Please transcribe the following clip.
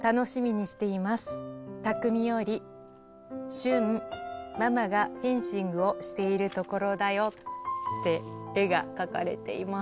「しゅんママがフェンシングをしているところだよ」って絵が描かれています。